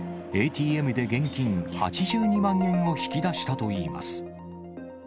ＡＴＭで現金８２万円を引き出したといいます。